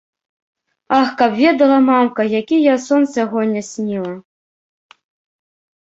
Ах, каб ведала, мамка, які я сон сягоння сніла?!